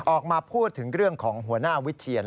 ออกมาพูดถึงเรื่องของหัวหน้าวิเชียน